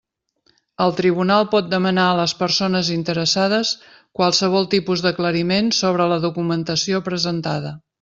El tribunal pot demanar a les persones interessades qualsevol tipus d'aclariment sobre la documentació presentada.